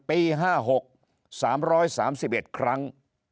ปี๕๖๓๓๑ครั้ง